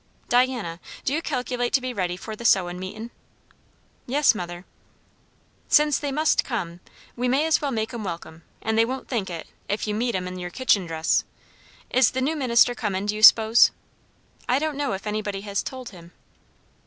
"Diana, do you calculate to be ready for the sewin' meetin'?" "Yes, mother." "Since they must come, we may as well make 'em welcome; and they won't think it, if you meet 'em in your kitchen dress. Is the new minister comin', do you s'pose?" "I don't know if anybody has told him."